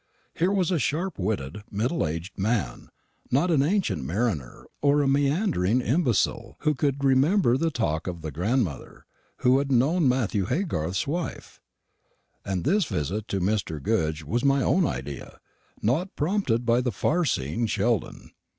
Here was a sharp witted, middle aged man not an ancient mariner, or a meandering imbecile who could remember the talk of a grandmother who had known Matthew Haygarth's wife. And this visit to Mr. Goodge was my own idea, not prompted by the far seeing Sheldon.